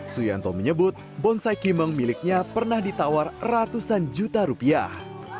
suyanto menyebut bonsai kimeng miliknya pernah ditawar ratusan juta rupiah